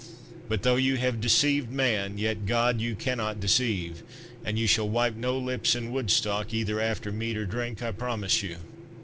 But though you have deceived man, yet God you cannot deceive. And you shall wipe no lips in Woodstock, either after meat or drink, I promise you."